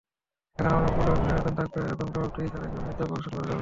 সেখানে অনেকগুলো মিলনায়তন থাকবে এবং জবাবদিহি ছাড়াই চলচ্চিত্র প্রদর্শন করা যাবে।